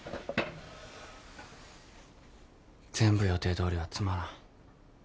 全部予定どおりはつまらん。